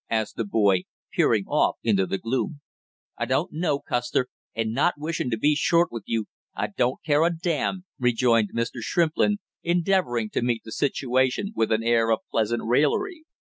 asked the boy, peering off into the gloom. "I don't know, Custer, and not wishing to be short with you, I don't care a damn!" rejoined Mr. Shrimplin, endeavoring to meet the situation with an air of pleasant raillery.